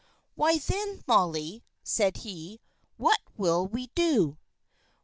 "Why, then, Molly," said he, "what'll we do?"